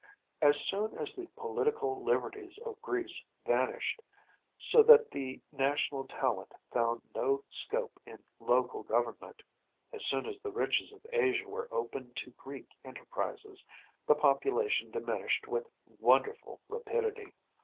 As soon as the political liberties of Greece vanished, so that the national talent found no scope in local government‚ÄĒas soon as the riches of Asia were opened to Greek enterprise‚ÄĒthe population diminished with wonderful rapidity.